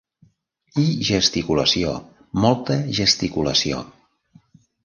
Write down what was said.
I gesticulació, molta gesticulació.